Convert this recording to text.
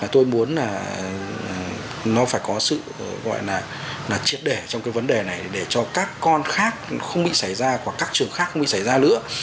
tôi muốn là nó phải có sự gọi là triệt để trong cái vấn đề này để cho các con khác không bị xảy ra hoặc các trường khác bị xảy ra nữa